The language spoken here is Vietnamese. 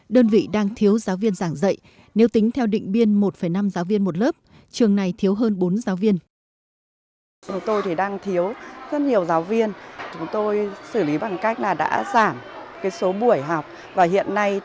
đơn vị đang thiếu giáo viên giảng dạy nếu tính theo định biên một năm giáo viên một lớp trường này thiếu hơn bốn giáo viên